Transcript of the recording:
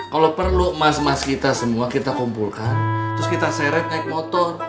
kalau perlu emas emas kita semua kita kumpulkan terus kita seret naik motor